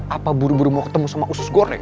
apa buru buru mau ketemu sama usus goreng